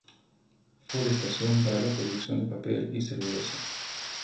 Forestación para la producción de papel y celulosa.